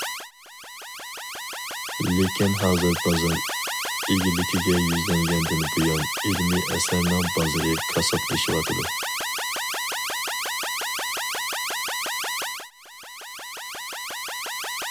لېكىن ھازىر بازار ئىگىلىكىگە يۈزلەنگەندىن بۇيان ئىلمىي ئەسەرنىڭ بازىرى كاساتلىشىۋاتىدۇ.